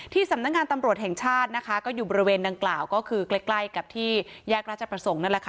ที่สำนักงานตำรวจแห่งชาติก็อยู่บริเวณดังกล่าวก็คือใกล้กับที่แยกราชประสงค์